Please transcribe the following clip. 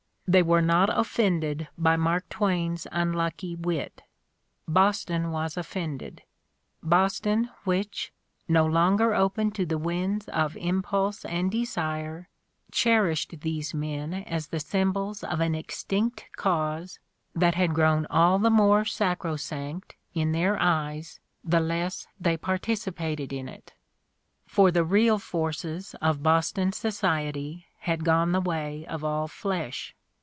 They were not offended by Mark Twain 's unlucky wit : Boston was offended, Boston which, no longer open to the winds of impulse and desire, cherished these men as the sjonbols of an extinct cause that had grown all the more sacro sanct in their eyes the less they participated in it. For the real forces of Boston society had gone the way of all flesh.